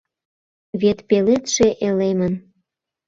Вет пеледше элемын